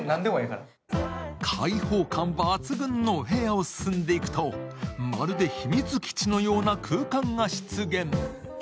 開放感抜群のお部屋を進んでいくと、まるで秘密基地のような空間が出現。